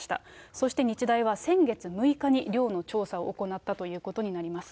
そして日大は先月６日に、寮の調査を行ったということになります。